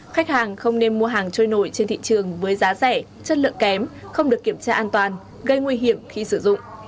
khách hàng không nên mua hàng trôi nổi trên thị trường với giá rẻ chất lượng kém không được kiểm tra an toàn gây nguy hiểm khi sử dụng